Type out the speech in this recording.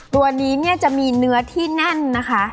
ตัวนี้เนี่ยจะมีเนื้อที่แน่นนะคะ